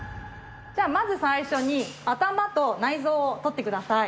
じゃあまず最初に頭と内臓を取って下さい。